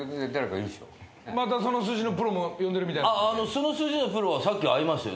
その筋のプロはさっき会いましたよ。